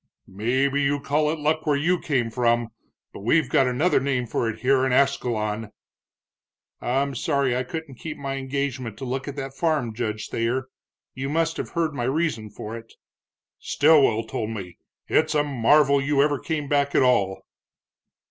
"Maybe you call it luck where you came from, but we've got another name for it here in Ascalon." "I'm sorry I couldn't keep my engagement to look at that farm, Judge Thayer. You must have heard my reason for it." "Stilwell told me. It's a marvel you ever came back at all."